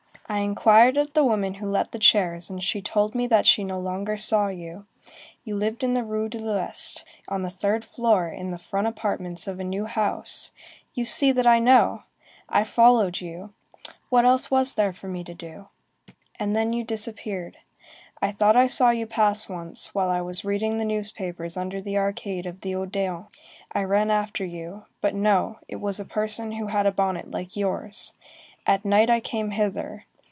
I inquired of the woman who let the chairs, and she told me that she no longer saw you. You lived in the Rue de l'Ouest, on the third floor, in the front apartments of a new house,—you see that I know! I followed you. What else was there for me to do? And then you disappeared. I thought I saw you pass once, while I was reading the newspapers under the arcade of the Odéon. I ran after you. But no. It was a person who had a bonnet like yours. At night I came hither.